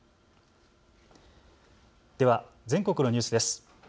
では全国のニュースです。